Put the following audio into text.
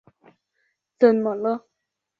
怎么了？